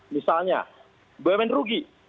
misalnya bumn rugi